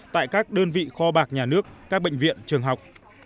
tại các đơn vị kho bạc nhà nước các bệnh viện trường học